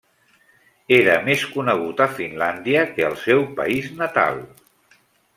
Era més conegut a Finlàndia que al seu país natal.